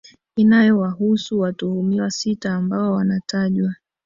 inayowahusu watuhumiwa sita ambao wanatajwa